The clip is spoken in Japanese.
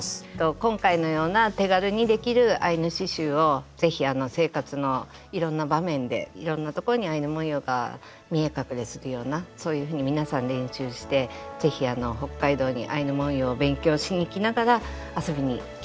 今回のような手軽にできるアイヌ刺しゅうを是非あの生活のいろんな場面でいろんなところにアイヌ文様が見え隠れするようなそういうふうに皆さん練習して是非北海道にアイヌ文様を勉強しにきながら遊びにきて。